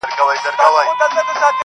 پر وطن باندي موږ تېر تر سر او تن یو.!